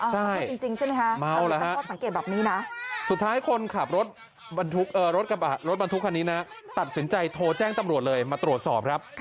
ใช่เมาแล้วฮะสุดท้ายคนขับรถบรรทุกคันนี้นะฮะตัดสินใจโทรแจ้งตำรวจเลยมาตรวจสอบครับ